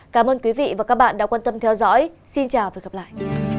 cảm ơn quý vị đã theo dõi hẹn gặp lại